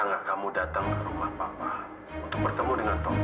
papa sudah berusaha untuk menenangkan tapi